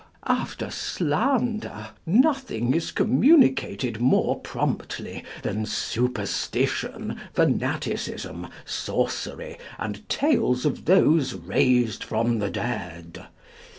After slander, nothing is communicated more promptly than superstition, fanaticism, sorcery, and tales of those raised from the dead.